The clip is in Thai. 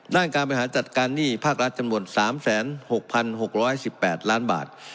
ด้านการบริหารจัดการหนี้ภาครัฐจำนวน๓๖๖๑๘ล้านบาท